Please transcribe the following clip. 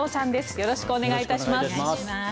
よろしくお願いします。